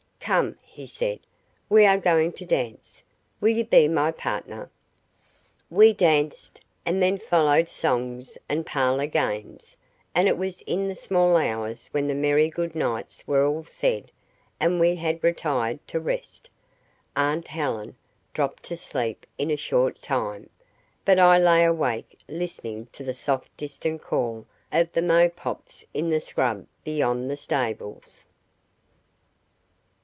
"Come," he said, "we are going to dance; will you be my partner?" We danced, and then followed songs and parlour games, and it was in the small hours when the merry goodnights were all said and we had retired to rest. Aunt Helen dropped to sleep in a short time; but I lay awake listening to the soft distant call of the mopokes in the scrub beyond the stables.